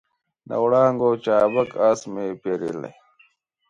د وړانګو چابک آس مې پیرلی